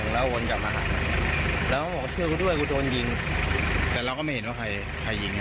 แล้วก็ไม่เห็นว่าใครยิง